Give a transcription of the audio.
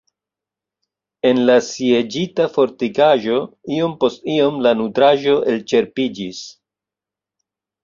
En la sieĝita fortikaĵo iom post iom la nutraĵo elĉerpiĝis.